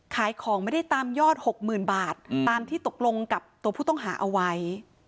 ขายของไม่ได้ตามยอด๖๐๐๐บาทตามที่ตกลงกับตัวผู้ต้องหาเอาไว้